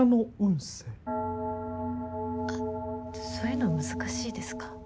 あっそういうの難しいですか？